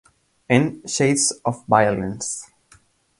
En "Shades of violence".